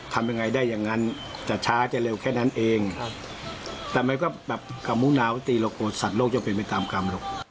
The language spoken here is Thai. ทำยังไงได้อย่างนั้นจะช้าจะเร็วแค่นั้นเองแต่มันก็กระมุ้งนาวตีรกโกรธสัตว์โลกย่อมเป็นไปตามกรรม